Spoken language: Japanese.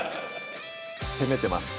攻めてます